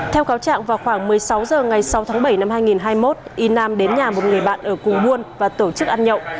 theo cáo trạng vào khoảng một mươi sáu h ngày sáu tháng bảy năm hai nghìn hai mươi một y nam đến nhà một người bạn ở cùng muôn và tổ chức ăn nhậu